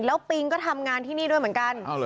แล้วปิงก็ทำงานที่นี่ด้วยเหมือนกัน